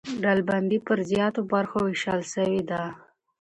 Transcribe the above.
ډلبندي پر زیاتو برخو وېشل سوې ده.